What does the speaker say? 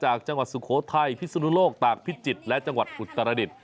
จังหวัดสุโขทัยพิศนุโลกตากพิจิตรและจังหวัดอุตรดิษฐ